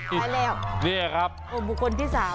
ผุ่นบุคคลที่๓